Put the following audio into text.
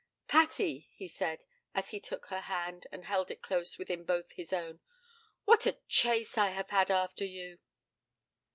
'Patty,' he said, as he took her hand, and held it close within both his own, 'what a chase I have had after you!'